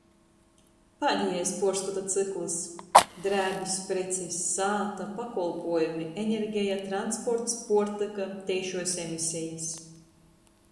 Pādejais puorskota cyklys. Drēbis, precis, sāta, pakolpuojumi, energeja, transports, puortyka, teišuos emisejis.